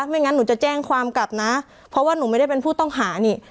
ไม่งั้นหนูจะแจ้งความกลับนะเพราะว่าหนูไม่ได้เป็นผู้ต้องหานี่